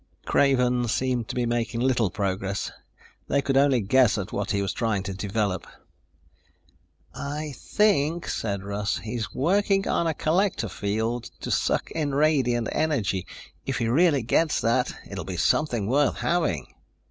Craven seemed to be making little progress. They could only guess at what he was trying to develop. "I think," said Russ, "he's working on a collector field to suck in radiant energy. If he really gets that, it will be something worth having."